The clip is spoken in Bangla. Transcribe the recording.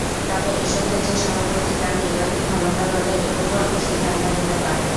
তবে এসব ক্ষেত্রে সভাপতি তাঁর নির্বাহী ক্ষমতাবলে এককভাবেও সিদ্ধান্ত নিতে পারেন।